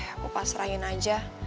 aku pasrahin aja